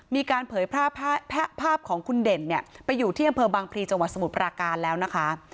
มีการเผยแพร่ภาพของคุณเด่นเนี่ยไปอยู่ที่อำเภอบางพลีจังหวัดสมุทรปราการแล้วนะคะ